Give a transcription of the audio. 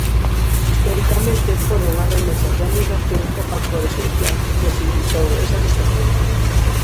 Historicamente foron as remesas da emigración o factor esencial que posibilitou esa situación.